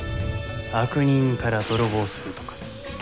悪人から泥棒するとか。